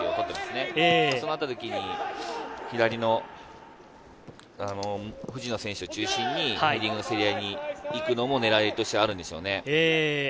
そうなった時に、左の藤野選手を中心にヘディングの競り合いに行くのも狙いとしてはあるんでしょうね。